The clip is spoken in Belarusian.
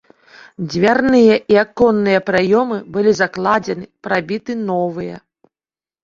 Дзвярныя і аконныя праёмы былі закладзены, прабіты новыя.